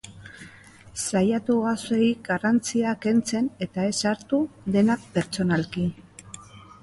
Saiatu gauzei garrantzia kentzen, eta ez hartu dena pertsonalki.